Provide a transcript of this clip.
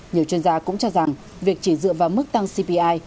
nhiều chuyên gia cũng cho rằng việc chỉ dựa vào mức tăng cpi